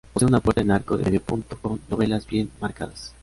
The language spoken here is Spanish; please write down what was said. Posee una puerta en arco de medio punto con dovelas bien marcadas.